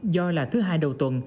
do là thứ hai đầu tuần